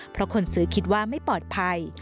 เพราะคนซื้อคิดว่าไม่ปลอดภัย